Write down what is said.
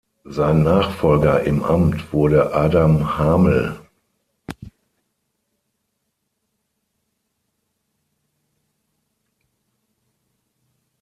Sein Nachfolger im Amt wurde Adam Hamel.